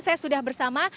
saya sudah bersama